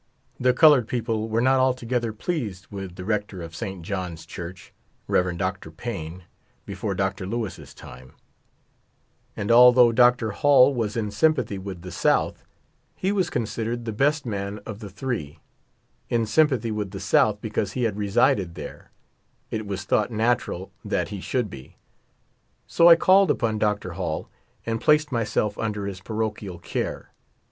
The colored people were not altogether pleased with the rector of Saint John's Church, Rev. Dr. Payne, before Dr. Lewis' time ; and although Dr. Hall was in S3^mpath3' with the South, he was considered the best man of the three ; in sympathy with the South because he had resided there ; it was thought natural that he should be. So I called upon Dr. Hall and placed myself under his parochial care.